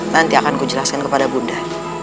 nanti akan kujelaskan kepada bunda